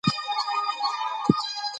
د واک مشروعیت د ولس له رضایت راځي